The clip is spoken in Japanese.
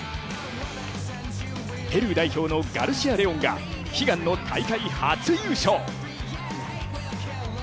ペルー代表のガルシア・レオンが悲願の大会初優勝。